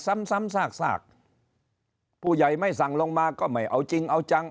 ซ้ำซ้ำซากซากผู้ใหญ่ไม่สั่งลงมาก็ไม่เอาจริงเอาจัง